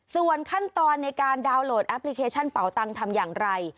ส่วนขั้นตอนในการดาวน์โหลดแอปพลิเคชันเป่าตังค์ทำอย่างไร